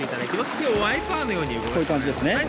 手をワイパーのように動かしてください。